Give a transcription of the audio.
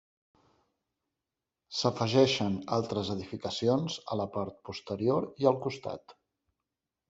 S'afegeixen altres edificacions a la part posterior i al costat.